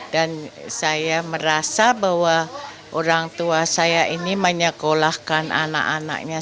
dan saya merasa bahwa orang tua saya ini menyekolahkan anak anaknya